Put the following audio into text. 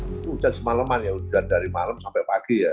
itu hujan semalaman ya hujan dari malam sampai pagi ya